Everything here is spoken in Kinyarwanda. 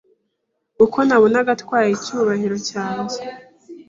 kuko nabonaga atwaye icyubahiro cyanjye,